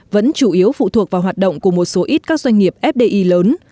vẫn chủ yếu phụ thuộc vào hoạt động của một số ít các doanh nghiệp fdi lớn